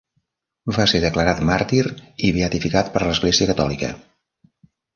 Va ser declarat màrtir i beatificat per l'Església Catòlica.